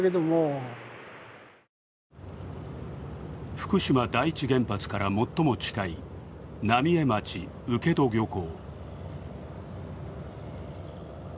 福島第一原発から最も近い浪江町請戸漁港。